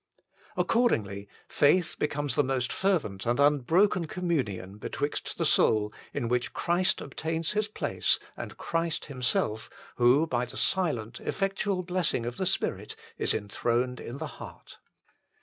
Accordingly, faith becomes the most fervent and unbroken communion betwixt the soul in which Christ obtains His place and Christ Himself, who by the silent, effectual blessing of the Spirit is enthroned in the heart.